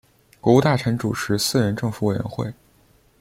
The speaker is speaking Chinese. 国务大臣主持四人政府委员会。